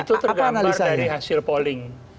itu tergambar dari hasil polling